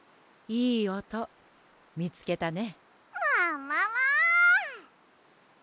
いいおとみつけたね。